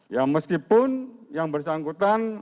ya meskipun yang bersangkutan